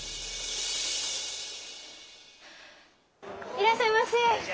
いらっしゃいまし。